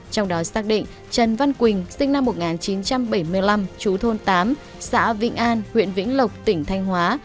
trong đó xác định trần văn quỳnh sinh năm một nghìn chín trăm bảy mươi năm chú thôn tám xã vĩnh an huyện vĩnh lộc tỉnh thanh hóa